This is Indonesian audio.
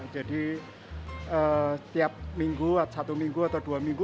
jadi tiap minggu atau satu minggu atau dua minggu